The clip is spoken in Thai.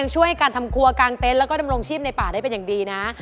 ช่วยกันทำครัวกลางเต็นต์แล้วก็ดำรงชีพในป่าได้เป็นอย่างดีนะ